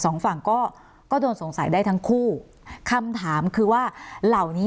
สองฝั่งก็ก็โดนสงสัยได้ทั้งคู่คำถามคือว่าเหล่านี้